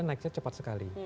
naiknya cepat sekali